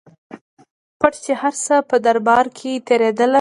پټ چي هر څه په دربار کي تېرېدله